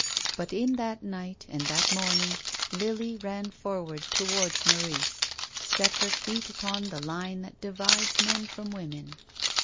But in that night and that morn ing Lily ran forward towards Maurice, set her feet upon the line that divides men from women.